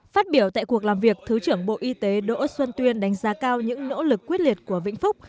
phát biểu tại cuộc làm việc thứ trưởng bộ y tế đỗ xuân tuyên đánh giá cao những nỗ lực quyết liệt của vĩnh phúc